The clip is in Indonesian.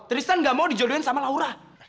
tristan gak mau dijodohin sama laura